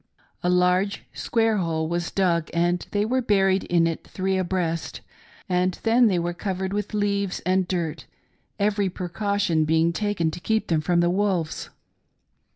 A large square hole was dug and they were buried in it three abreast, and then they were covered with leaves and earth, every precaution being taken to keep them from the wolves.